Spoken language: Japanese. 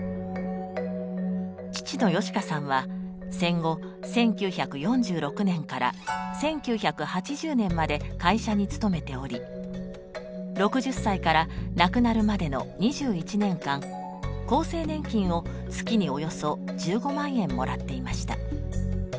父の芳香さんは戦後１９４６年から１９８０年まで会社に勤めており６０歳から亡くなるまでの２１年間厚生年金を月におよそ１５万円もらっていました。